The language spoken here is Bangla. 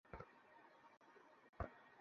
ওকে অবশ্যই ভয় পেতে হবে।